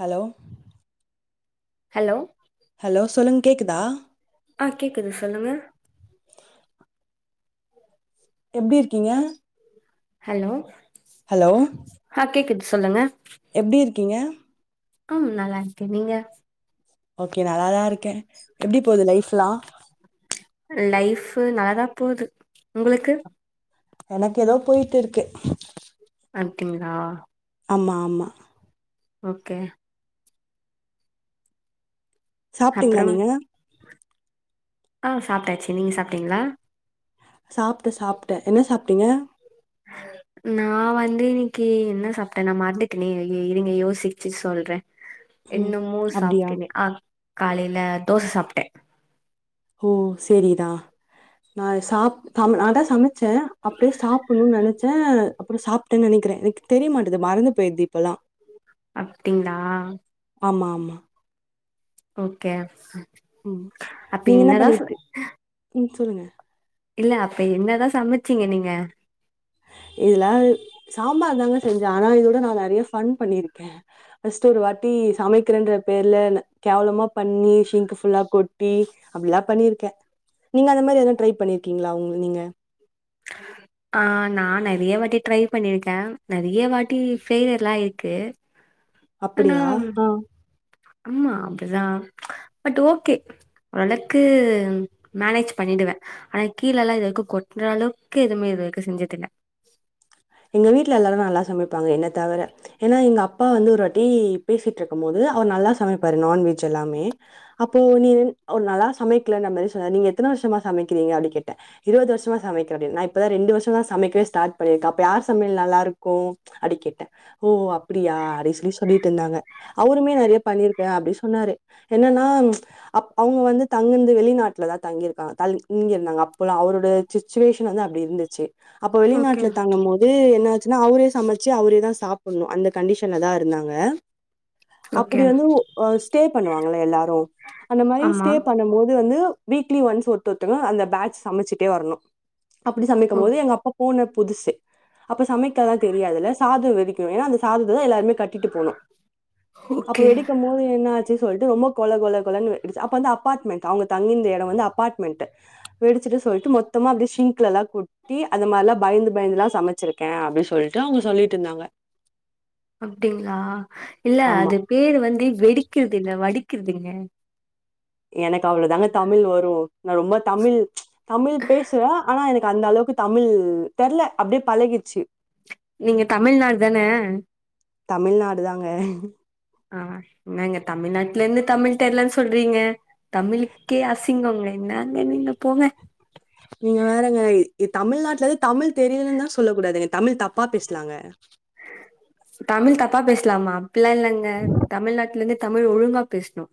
Hello hello hello சொல்லுங்க கேக்குதா ஆ கேக்குது சொல்லுங்க எப்டி இருக்கீங்க ஹலோ ஹலோ ஆ கேக்குது சொல்லுங்க எப்டி இருக்கீங்க ம் நல்லா இருக்க நீங்க ஓகே நல்லாதா இருக்கே எப்டி போது லைஃப்ல்லா லைஃப்பு நல்லதா போது உங்குளுக்கு எனக்கு எதோ போயிட்டு இருக்கு அப்டிங்களா ஆமா ஆமா ஓகே சாப்டீங்களா அப்புறம் நீங்க ஆ சாப்டாச்சு நீங்க சாப்டீங்களா சாப்ட சாப்ட என்ன சாப்டீங்க நா வந்து இன்னிக்கு என்ன சாப்டேனா நா மறந்துட்டனே ஐயோ இருங்க யோசிச்சு சொல்ற ம் என்னமோ அப்டியா சாப்டனே ஆ காலைல தோச சாப்ட ஓ சேரிதா நா சாப் தமிழ் நாதா சமச்ச அப்டியே சாப்புணுன் நெனச்ச அப்புறோ சாப்டன் நெனைக்கிற எனக்கு தெரிய மாட்டது மறந்து போயிருது இப்பல்லா அப்டிங்களா ஆமா ஆமா ஓகே ம் அப்ப நீ என்ன என்னதா பண்ணிட்டு ம் சொல்லுங்க இல்ல அப்ப என்னதா சமச்சீங்க நீங்க இதுல்லா சாம்பார் தாங்க செஞ்ச ஆனா இதோட நா நறையா ஃபன் பண்ணிருக்க ஃபஸ்ட் ஒரு வாட்டி சமைக்கிறன்ற பேர்ல நா கேவலமா பண்ணி சிங்க்கு ஃபுல்லா கொட்டி அப்டில்லா பண்ணிருக்க நீங்க அந்த மாரி எதும் ட்ரை பண்ணியிருக்கீங்களா உங் நீங்க ஆ ஆ நா நெறையா வாட்டி ட்ரை பண்ணிருக்க நெறையா வாட்டி ஃபெயிலியர்லா ஆயிருக்கு அப்படியா ஆனாம் ஆ அம்மா அப்டிதா பட் ஓகே வழக்கு மேனேஜ் பண்ணிடுவ ஆனா கீழல்லா இது வரைக்கு கொட்ற அளவுக்கு எதுமே இது வரைக்கு செஞ்சது இல்ல எங்க வீட்ல எல்லாரு நல்லா சமைப்பாங்க என்ன தவுர ஏனா எங்க அப்பா வந்து ஒரு வாட்டி பேசிட்ருக்கும் போது அவர் நல்லா சமைப்பாரு நான்வெஜ் எல்லாமே அப்போ நீ அவரு நல்லா சமைக்கலன்ற மாரி சொன்னாரு நீங்க எத்தன வருஷமா சமைக்கிறீங்க அப்டி கேட்ட இருவது வருஷமா சமைக்கிறாப்டி நா இப்பதா ரெண்டு வருஷமா சமைக்கவே ஸ்டாட் பண்ணிருக்க அப் அப்ப யார் சமையல் நல்லாருக்கு அப்டி கேட்ட ஓ அப்டியா ரெசிபி சொல்லிட்டு இருந்தாங்க அவருமே நறையா பண்ணிருக்க அப்டி சொன்னாரு என்னன்னா ம்ச் அப் அவுங்க வந்து தங்குனது வெளிநாட்ல தா தங்கிருக்கா தல்லி இங்கிருந்தாங்க அப்போல்லா அவரோடய சுச்சுவேஷன் வந்து அப்டி இருந்துச்சு அப்ப ஓகே வெளிநாட்ல வாங்கும் போது என்னாச்சுன்னா அவரே சமச்சு அவரே தா சாப்புன்னு அந்த கண்டிஷன்ல தா இருந்தாங்க ஓகே அப்பிடி வந்து உ ஸ்டே பண்ணுவாங்கல்ல எல்லாரு அந்த மாரி ஆமா ஸ்டே பண்ணும்போது வந்து வீக்லி வன்ஸ் ஒத்த ஒத்தங்க அந்த பேட்ச் சமச்சுட்டே வரணு அப்பிடி ஓ சமைக்கும் போது எங்க அப்பா போன புதுசு அப்ப சமக்காதா தெரியாதுல சாதொ வெரிக்கும் எனா அந்த சாதத்ததா எல்லாருமே கட் கெட்டு போனு அப்ப ஓகே வெடிக்கும் போது என்ன ஆ ச்சு சொல்லுட்டு ரொம்ப கொல கொல கொலனு வெடுச்சு அப்ப வந்து அப்பார்ட்மண்ட் அவங்க தங்கி இருந்த எடொ வந்து அப்பார்ட்மண்ட் வெடிச்சுட்டு சொல்லிட்டு மொத்தமா அப்டியே ஸிங்க்ல எல்லா கொட்டி அந்த மாரிலா பயந்து பயந்துலா சமச்சிருக்கே அப்டி சொல்லிட்டு அவங்க சொல்லிட்டு இருந்தாங்க அப்டிங்களா இல்ல ஆமா அது பேரு வந்து வெடிக்கிறது இல்ல வடிக்கெறதுங்க எனக்கு அவ்ளோதாங்க தமிழ் வரு நா ரொம்ப தமிழ் தமிழ் பேசுவெ ஆனா எனக்கு அந்த அளவுக்கு தமிழ் தெர்ல அப்டியே பழகிட்ச்சு நீங்க தமிழ்நாடு தான தமிழ்நாடு தாங்க ஆ என்னங்க தமிழ்நாட்ல இருந்து தமிழ் தெர்லன்னு சொல்றீங்க தமிழுக்கே அசிங்கொங்க என்னங்க நீங்க போங்க நீங்க வேறங்க இ இ தமிழ்நாட்லந்து தமிழ் தெரியலன்னு தா சொல்ல கூடாதுங்க தமிழ் தப்பா பேசலாங்க தமிழ் தப்பா பேசலாமா அப்பில்லா இல்லங்க தமிழ்நாட்ல இருந்து தமிழ் ஒழுங்கா பேச்ணு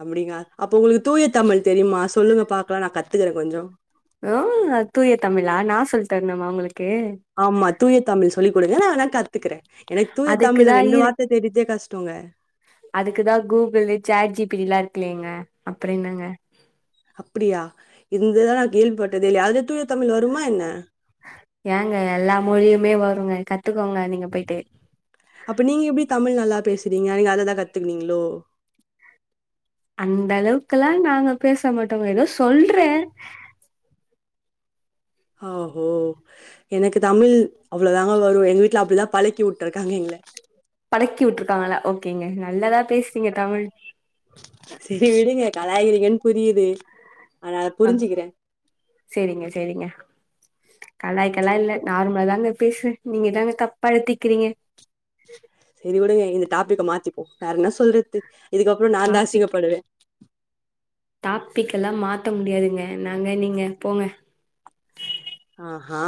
அப்பிடிங்கா அப்போ உங்களுக்கு தூயத்தமிழ் தெரியுமா சொல்லுங்க பாக்கலா நா கத்துக்கறே கொஞ்சோ ஓ தூய தமிழா நா சொல் தரனுமா உங்களுக்கு ஆமா தூய தமிழ் சொல்லிக் குடுங்க நா வேணா கத் துக்கறே எனக்கு தூய தமிழ்ல அதுக்குதா ரெண்டு இரு வார்த்த தெரிதே கஷ்டோங்க அதுக்குதா Google chat G P T எல்லா இருக்குல்லைங்க அப்பறொ என்னங்க அப்பிடியா இந்த இத நா கேள்விப்பட்டதே இல்யே அதுல தூய தமிழ் வருமா என்ன ஏங்க எல்லா மொழியுமே வருங்க கத்துக்கோங்க நீங்க போய்ட்டு அப்ப நீங்க எப்பிடி தமிழ் நல்லா பேசுறீங்க நீங்க அதுலதா கத்துக்கினீங்களோ அந்த அளவுக்கெல்லா நாங்க பேச மாட்டோங்க எதோ சொல்றே ஓஹோ எனக்கு தமிழ் அவ்ளோ தாங்க வரு எங்க வீட்ல அப்பிடிதா பழக்கி உட் டுருக்காங்க எங்ள படக்கி உட்டுருக்காங்களா ஓகேங்க நல்லதா பேசுறீங்க தமிழ் செரி விடுங்க கலாய்க்கிறீங்கனு புரியிது அத நா புருஞ்சுக்கற செரிங்க செரிங்க கலாய்க்கெல்லா இல்ல நார்மலா தாங்க பேசு நீங்கதாங்க தப்பா எடுத்திக்கிறீங்க செரி விடுங்க இந்த டாபிக்க மாத்திப்போ வேற என்ன சொல்றது இதுக்கப்றோ நா தா அசிங்கப்படுவே டாப்பிக் எல்லா மாத்த முடியாதுங்க என்னாங்க நீங்க போங்க அஹா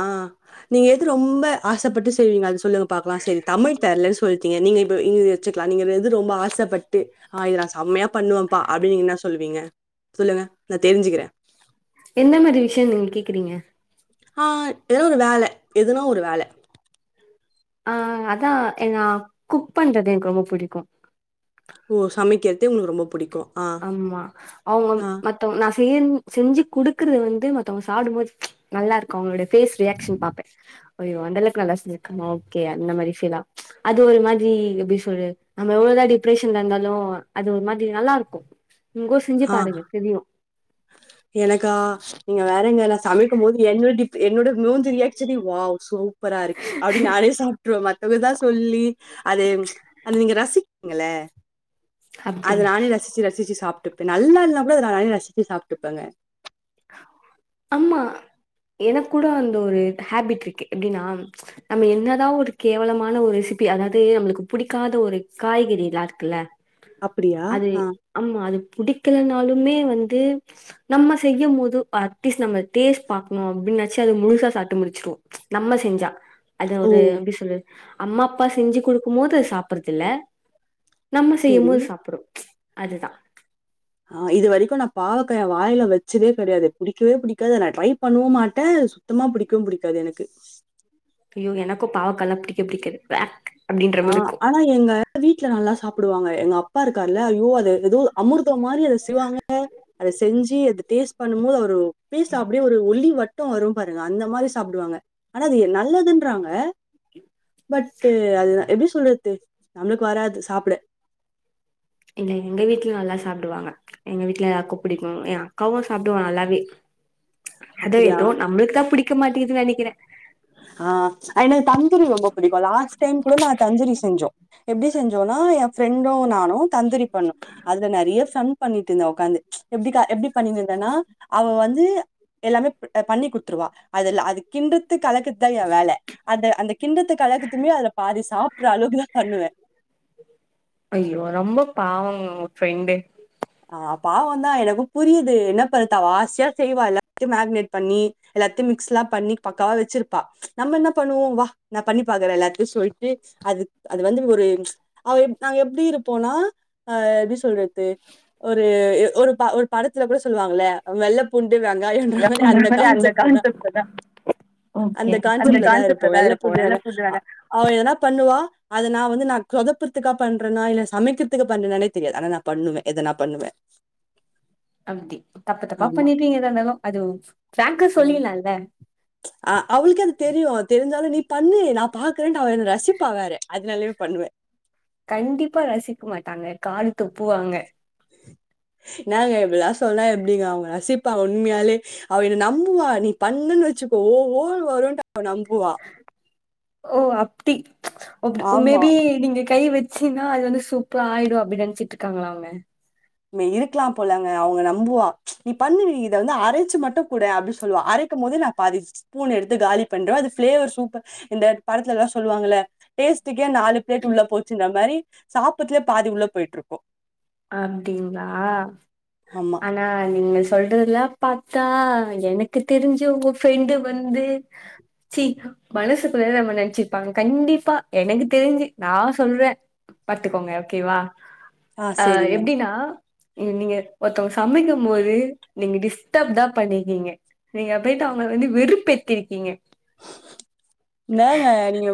நீங்க எது ரொம்ப ஆசப்பட்டு செய்வீங்க அது சொல்லுங்க பாக்கலா செரி தமிழ் தெர்லன்னு சொல்லிட்டீங்க நீங்க இப்ப இது வெச்சுக்கலா நீங்க எது ரொம்ப ஆசப்பட்டு ஆ இத நா செம்மையா பண்ணுவேப்பா அப்பிடி நீங்க என்ன சொல்லுவீங்க சொல்லுங்க நா தெருஞ்சுக்கற எந்த மாரி விஷயம் நீங்க கேக்குறீங்க ஆ எதோ ஒரு வேல எதுனா ஒரு வேல ஆ அதா எ நா குக் பண்றது எனக்கு ரொம்ப புடிக்கு ஓ சமக்கெர்து உங்களுக்கு ரொம்ப புடிக்கு ஆமா அவங்க மத்தவங் நா செய்ன் செஞ்சு குடுக்கறத வந்து மத்தவங்க சாப்டும்போது நல்லா இருக்கு அவங்களோட ஃபேஸ் ரியாக்ஷன் பாப்பெ ஐயோ அந்த அளக்கு நல்லா செஞ்சிருக்கோமா ஓகே அந்த மாரி ஃபீலா அது ஒரு மாதிரி எப்பிடி சொல்றது நம்ம எவ்ளோதா டிப்ரெஷன்ல இருந்தாலு அது ஒரு மாதிரி நல்லா இருக்கு உங்கோ செஞ்சி ஆ. பாருங்க தெரியு எனக்கா நீங்க வேறங்க நா சமைக்கும் போது என்னோட ஃபே என்னோட மூஞ்சு ரியாக்ஷனே வாவ் சூ ப்பரா இருக்கு அப்டின் நானே சாப்ட்டுருவே மத்தவங்கதா சொல்லி அதே அது நீங்க ரசி பீங்கள அது அப்டின்னு நானே ரசிச்சு ரசிச்சு சாப்ட்டுப்ப நல்லா இல்னா கூட அத நானே ரசி ச்சி சாப்ட்டுப்பங்க ஆமா எனக் கூட அந்த ஒரு ஹேபிட்ருக்கு எப்டின்னா நம்ம என்னதா ஒரு கேவலமான ஒரு ரெசிபி அதாவது நம்மளுக்கு புடிக்காத ஒரு காய்கறிலா இருக்குல்ல அப்டியா அது ஆ ஆமா அது புடிக்கலனாலுமே வந்து நம்ம செய்யும் போது அட்லீஸ்ட் நம்ம டேஸ்ட் பாக்ணு அப்டின்னாச்சு அத முழுசா சாப்ட்டு முடிச்சிரு நம்ம செஞ்சா அத ஓ ஒரு எப்டி சொல்றது அம்மா அப்பா செஞ்சு குடுக்கும் போது சாப்பறதுல்ல நம்ம செய்யும் சரி. போது சாப்புடு அதுதா ஆ இது வரைக்கு நா பாவக்காய வாயில வச்சதே கெடையாது புடிக்கவே புடிக்காது நா ட்ரை பண்ணுவு மாட்ட சு த்தமா புடிக்ககுவு புடிக்காது எனக்கு ஐய்யோ எனக்கு பாவக்கானா புடிக்கவே புடிக்காது அப்டின்ற ஆ மாரி இருக்கு ஆனா எங்க வீட்ல நல்லா சாப்புடுவாங்க எங்க அப்பா இருக்கார்ல ஐய்யோ அது ஏதோ அமுர் த்த மாரி அத செய்வாங்க அத செஞ்சு அத டேஸ்ட் பண்ணும் போது அவரு ஃபேஸ் அப்டியே ஒரு ஒளி வட் ட வரு பாருங்க அந்த மாரி சாப்டுவாங்க ஆனா அது நல்லதுன்றாங்க பட்டு அது எப்டி சொல்றது நம்ளுக் வராது சாப்ட இல்ல எங்க வீட்லியு நல்லா சாப்டுவாங்க எங்க வீட்டுல எல்லாருக்கு புடிக்கு ஏன் அக்காவு சாப்டுவா நல்லாவே அது அப்டியா ஏதோ நம்ளுக் தா புடிக்க மாட்டிக்குது நெனைக்கிற ஆ எனக் தந்தூரி ரொம்ப புடிக்கு லாஸ்ட் டைம் கூட நா தந்தூரி செஞ்சோ எப்டி செஞ்சோனா என் ஃப்ரெண்டு நானு தந்தூரி பண்ணு அதுல நறைய ஃபன் பண்ணிட்டு இருந்தா உட்காந்து எப்டி கா எப்டி பண்ணியிருந்தேன்னா அவ வந்து எல்லாமே அ பண்ணி குடுத்துருவா அதுல அது கின்றத்துக் கலக்கு தா ஏ வேல அத அந்த கிண்டத்து கலகத்துமே அத பாதி சாப்ட்ர அளவுக்குதா பண்ணுவே ஐய்யோ ரொம்ப பாவங்க உங்க ஃப்ரெண்டு ஆ பாவந்தா எனக்கு புரிது என்ன பன்த்து அவ ஆசியா செய்வா எல்லாத்தையு மேக்னெட் பண்ணி எல்லாத்தியு மிக்ஸ்லா பண்ணி பக்காவா வச்சிருப்பா நம்ம என்ன பண்ணுவோ வா நா பண்ணி பாக்கற எல்லாத்தையு சொல்ட்டு அது அது வந்து ஒரு அவ நாங்க எப்டி இருப்போனா அ எப்டி சொல்றத்து ஒரு ஒரு ஒரு படத்துல கூட சொல்லுவாங்கள வெள்ள பூண்டு வெங்காயன்ற மாரி அந்த கான்செப்ட்ல தா ஓகே அந்த புரியுது. கான்செப்ட்ல தா இருப்போ வெள்ள பூண்டு நல்ல வெங்காய ஃபுட் வேணா அவ என்னா பண்ணுவா அதனா வந்து நா சொதப்புர்துக்கா பண்றனா இல்ல சமைக்கிர்துக்கு பண்றனானே தெரியாது ஆனா நா பண்ணுவே எதனா பண்ணுவே அப்டி தப்பு தப்பா ஆமா. பண்ணிருவீங்க எதா இருந்தாலு அது ஃபிரங்கா சொல்லிர்லால ஆ அவுளுக்கெ அது தெரியு தெரிஞ்சாலு நீ பண்ணு நா பாக்றன்ட்டு அவ என்ன ரசிப்பா வேற அதுனாலே பண்ணுவே கண்டிப்பா ரசிக்க மாட்டாங்க காரி துப்புவாங்க என்னாங்க இப்பல்லா சொன்னா எப்டிங்க அவுங்க ரசிப்பாங்க உண்மையாலே அவ என்ன நம்புவா நீ பண்ணன் வச்சுக்கோ ஓ ஓ வருன்ட்டு நம்புவா ஓ அப்டி ஆமா. மேபி நீங்க கை வச் சின்னா அது வந்து சூப்பர ஆயிடு அப்டின் நெனச்சிட்டு இருக்காங்கள அவங்க இருக்கலா போலங்க அவங்க நம்புவா நீ பண்ண இத வந்து அரைச்சு மட்டு குட அப்டின் சொல்லுவா அர இருக்கும் போது நா பாதிச்சு ஸ்பூன் எடுத்து காலி பண்ற அது ஃபிளேவர் சூப்பர் இந்த படத்துல்லா சொல்லுவாங்கள டேஸ்டுக்கே நாலு பிளேட் உள்ள போச்சுன்ற மாரி சாப்பதுலயே பாதி உள்ள போயிட்டு இருக்கோ அப்டிங்ளா ஆமா ஆ நீங்க சொல்றதல்லா பாத்தா எனக்கு தெரிஞ்சு உங்க ஃப்ரெண்டு வந்து சீ மனசுக்குல நம்ம நெனச்சிருப்பாங்க கண்டிப்பா எனக்கு தெரிஞ்சு நா சொல்ற பாத்துக்கோங்க ஓகேவா ஆ அ சரிங்க. எப்டினா நீங்க ஒருத்தவங்க சமைக்கும் போது நீங்க டிஸ்டப் தா பண்ணிருக்கீங்க நீங்க போய்ட்டு அவங்கள வந்து வெறுப்பேத்திருக்கீங்க என்னங்க நீங்க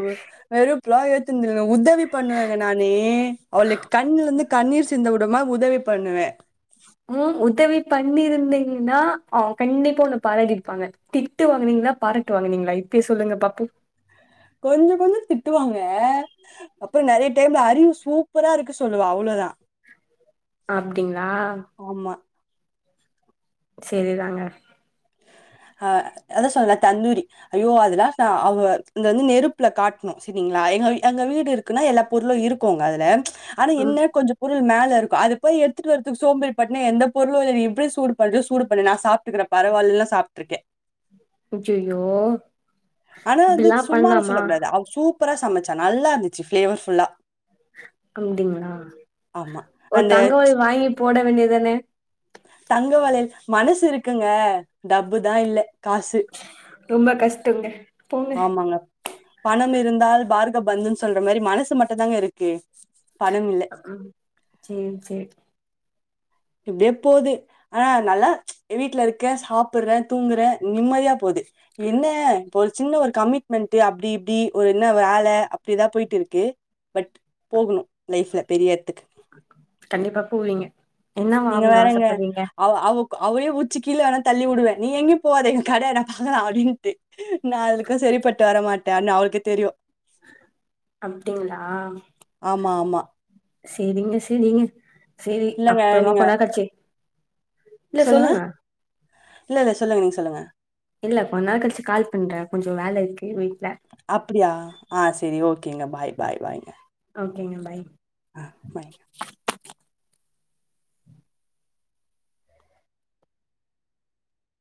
வெறுப்லா ஏத்துனது இல்லங்க உதவ் உதவி பண்ணுவேங்க நானு அவளுக்கு கண்ணுல இருந்து கண்ணீர் சிந்த விடமா உதவி பண்ணுவ ம் உதவி பண்ணிருந்தீங்னா அவங்க கண்டிப்பா உன்ன பாராட்டிருப்பாங்க திட்டு வாங்குனீங்களா பாராட்டு வாங்கினீங்களா இப்பயே சொல்லுங்க பாப்போ கொஞ்ச கொஞ்ச திட்டுவாங்க அப்புற நறைய டைம்ல அறிவு சூப்பரா இருக்கு சொல்லுவ அவ்ளதா அப்டிங்ளா ஆமா செரிதாங்க அ அதா சொன்ன தண்ணுரி ஐயோ அதுல்லா அவ இங்க வந்து நெருப்புல காட்ணு சேரிங்களா எங்க எங்க வீடு இருக்குன்னா எல்லா பொருளு இருக்குங்க அதுல ஆனா ம் என்ன கொஞ்ச பொருள் மேல இருக்கு அது போய் எடுத்துட்டு வறது சோம்பி பட்டுன் எந்த பொருளு எப்டி சூடு பண்ற சூடு பண்ணு நா சாப் ட்ருக்குற பரவால்லலா சாப்ட்ருக்கே அச்யய்யோ ஆனா வந்து சும்மாலா சொல்ல கூடாது அ சூப்பரா சமைச்சா நல்லா இருந்துச்சு ஃபிளேவர் ஃபுல்லா அப்படிங்ளா ஆமா. ஒரு அந்த தங்க வளையல் வாங்கி போட வேண்டியதான தங்க வளையல் மனசு இருக்குங்க டப்பு தா இல்ல காசு ரொம்ப கஷ்டங்க போங்க ஆமாங்க பணம் இருந்தால் பார்க பந்துன் சொல்ற மாரி மனசு மட்டுந்தாங்க இருக்கு பணம் இல்ல. ம் சேரி சேரி எப்டியோ போது ஆ நல்லா வீட்ல இருக்க சாப்பிற தூங்குற நிம்மதியா போது என்ன இப்ப ஒரு சின்ன ஒரு கமிட்மெண்ட் அப்டி இப்டி ஒரு என்ன ஒரு வேல அப்டி தா போயிட்டு இருக்கு பட் போகணு லைஃப்ல பெரிய எடத்துக்கு கண்டிப்பா போவிங்க நீங்க வேறங்க அவ அவங் அவளே உச்சி கீழ ஏனா தள்ளி வுடுவே நீ எங்கே போவாத இங்க கட பாக்கலா அப்டின்ட்டு நா அவளுக்கு சரிப்பட்டு வரமாட்டன் அவளுக்கு தெரியு அப்டிங்ளா ஆமா ஆமா சேரிங்க சேரிங்க சேரி இல்லங்க அப்புறமா நீங்க கொன்னேரோ கழுச்சு சொல்லுங்க இல்ல இல்ல சொல்லுங்க நீங்க சொல்லுங்க இல்ல கொஞ்சநேரம் கழிச்சு கால் பண்றேன் கொஞ்சோ வேல இருக்கு வீட்டு்ல அப்டியா ஆ சேரி ஓகேங்க பாய் பாய் பாய்ங்க ஓகேங்க பாய் ஆ பாய்